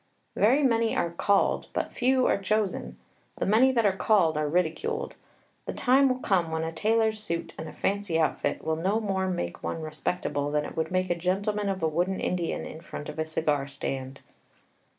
Very many are called, but few are chosen. The many that are called are ridiculed. The time will come when a tailor's suit and a fancy outfit will no more make one respectable than it would make a gentleman of a wooden Indian in front of a cigar stand.